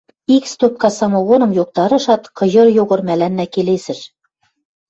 Ик стопка самогоным йоктарышат, Кыйыр Йогор мӓлӓннӓ келесӹш: